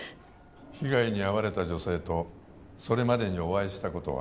被害に遭われた女性とそれまでにお会いしたことは？